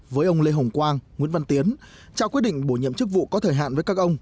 với ông lê hồng quang nguyễn văn tiến trao quyết định bổ nhiệm chức vụ có thời hạn với các ông